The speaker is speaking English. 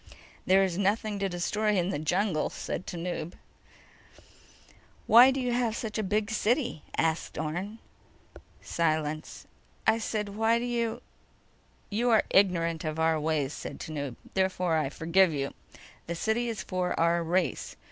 "There is nothing to destroy in the jungle," said Tanub. "Why do you have such a big city?" asked Orne. Silence. "I said: Why do you—" "You are ignorant of our ways," said Tanub. "Therefore, I forgive you. The city is for our race.